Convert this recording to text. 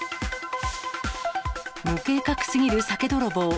無計画すぎる酒泥棒。